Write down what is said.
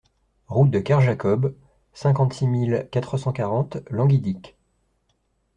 Route de Kerjacob, cinquante-six mille quatre cent quarante Languidic